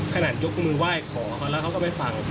ยกมือไหว้ขอเขาแล้วเขาก็ไม่ฟัง